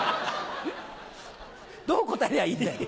どう答えりゃいいんだよ！